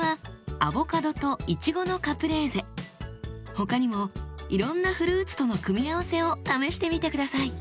他にもいろんなフルーツとの組み合わせを試してみて下さい。